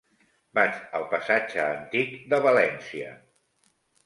Vaig al passatge Antic de València.